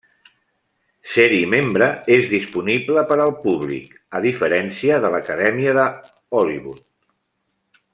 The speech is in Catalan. Ser-hi membre és disponible per al públic, a diferència de l'Acadèmia de Hollywood.